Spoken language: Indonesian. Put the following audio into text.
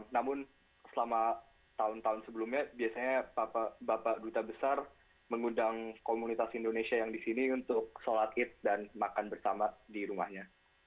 namun selama tahun tahun sebelumnya biasanya bapak duta besar mengundang komunitas indonesia yang di sini untuk sholat id dan makan bersama di rumahnya